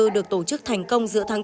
được tổ chức thành công giữa tháng bốn